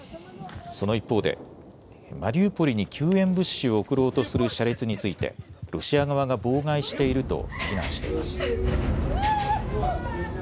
その一方でマリウポリに救援物資を送ろうとする車列についてロシア側が妨害していると非難しています。